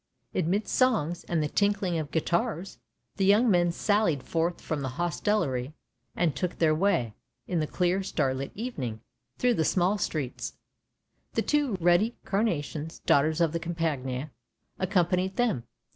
Amidst songs and the tinkling of guitars, the young men sallied forth from the hostelry, and took their way, in the clear starlit evening, through the small streets; the two ruddy carnations, daughters of the Campagna, accom panied them.